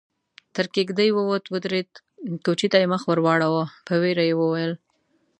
تر کېږدۍ ووت، ودرېد، کوچي ته يې مخ ور واړاوه، په وېره يې وويل: